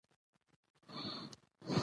مېلې د امېد، خوښۍ او همکارۍ استازیتوب کوي.